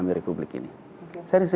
tapi saya pasti deket deket terserah